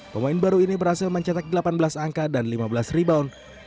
pemain baru ini berhasil mencetak delapan belas angka dan lima belas rebound